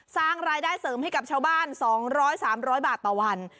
สร้างรายได้เสริมให้กับชาวบ้าน๒๐๐๓๐๐บาทต่อวัน